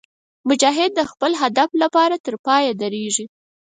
مجاهد د خپل هدف لپاره تر پایه درېږي.